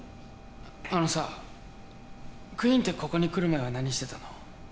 あのさクイーンってここに来る前は何してたの？